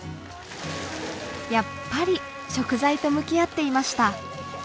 やっぱり食材と向き合っていました。